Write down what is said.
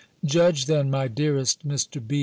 Judge then, my dearest Mr. B.